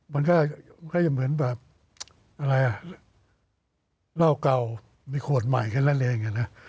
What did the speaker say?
มันก็จะเหมือนแบบอะไรอ่ะเหล้าเก่ามีขวดใหม่แค่นั้นเองนะ